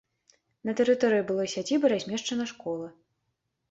На тэрыторыі былой сядзібы размешчана школа.